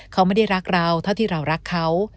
เขาไม่ได้รักเราเท่าที่เรารักเขา